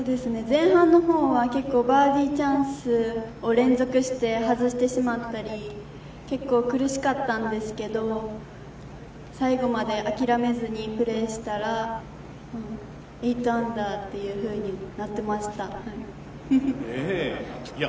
前半のほうは結構バーディーチャンスを連続して外してしまったり、結構苦しかったんですけど、最後まで諦めずにプレーしたら、うん、８アンダーっていうふうになってました、はい。